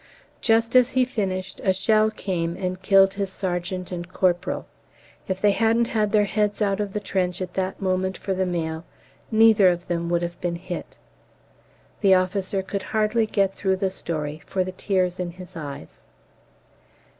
Just as he finished a shell came and killed his sergeant and corporal; if they hadn't had their heads out of the trench at that moment for the mail, neither of them would have been hit. The officer could hardly get through the story for the tears in his eyes.